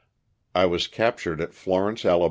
I was captured at Florence, Ala.